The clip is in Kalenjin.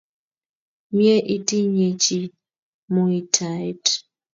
Mye itinye chi muitaet